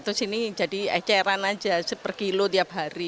terus ini jadi eceran aja seper kilo tiap hari